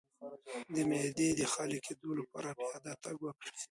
د معدې د خالي کیدو لپاره پیاده تګ وکړئ